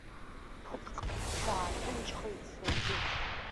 Ԥыҭк сааҭынчхеит саргьы.